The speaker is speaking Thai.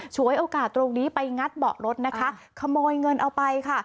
ฉวยโอกาสตรงนี้ไปงัดเบาะรถนะคะขโมยเงินเอาไปค่ะ